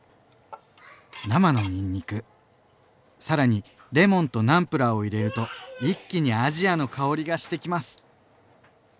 生のにんにく更にレモンとナムプラーを入れると一気にアジアの香りがしてきます。